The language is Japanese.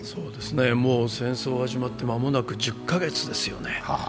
もう戦争が始まって間もなく１０か月ですよね。